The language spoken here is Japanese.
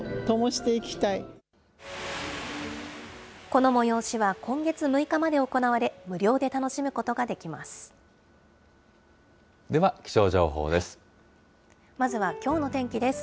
この催しは今月６日まで行われ、無料で楽しむことができます。